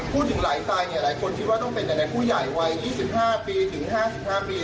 พูดถึงไหลตายหลายคนคิดว่าต้องเป็นแต่ในผู้ใหญ่วัย๒๕๕๕ปี